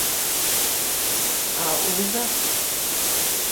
А узак?